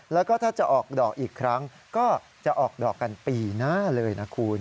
แล้วก็ถ้าจะออกดอกอีกครั้งก็จะออกดอกกันปีหน้าเลยนะคุณ